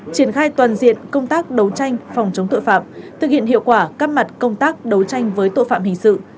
triển khai toàn diện công tác đấu tranh phòng chống tội phạm thực hiện hiệu quả các mặt công tác đấu tranh với tội phạm hình sự